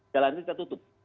jalannya kita tutup